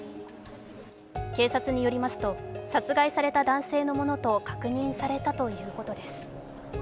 警察によりますと、殺害された男性のものと確認されたということです。